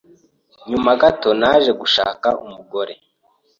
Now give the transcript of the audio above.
Nyuma gato naje gushaka umugore